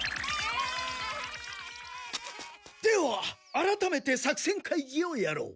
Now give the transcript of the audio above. ではあらためて作戦会議をやろう。